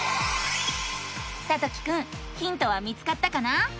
さときくんヒントは見つかったかな？